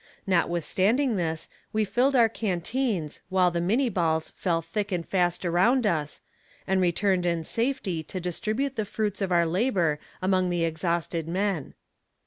Notwithstanding this, we filled our canteens, while the Minnie balls fell thick and fast around us, and returned in safety to distribute the fruits of our labor among the exhausted men.